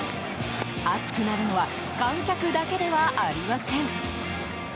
熱くなるのは観客だけではありません。